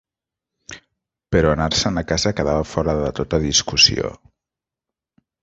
Però anar-se'n a casa quedava fora de tota discussió.